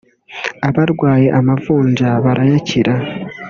abarwaye amavunja barayakira